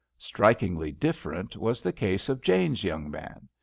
Strikingly different was the case of Jane's young man.